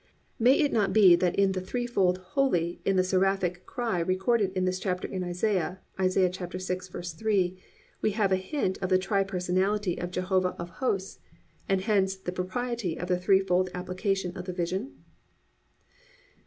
May it not be that in the threefold "Holy" in the seraphic cry recorded in this chapter in Isaiah (Isaiah 6:3) we have a hint of the tri personality of Jehovah of Hosts, and hence the propriety of the threefold application of the vision?